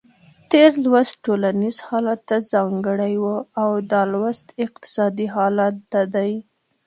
تېر لوست ټولنیز حالت ته ځانګړی و او دا لوست اقتصادي حالت ته دی.